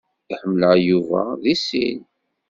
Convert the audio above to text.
Iḥemmel-aɣ Yuba seg sin.